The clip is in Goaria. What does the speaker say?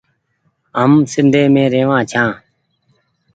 هم سنڌي روآن ڇآن ۔